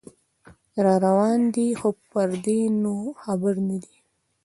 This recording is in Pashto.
راروان دی خو پردې نو خبر نه دی